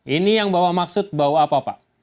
ini yang bawa maksud bau apa pak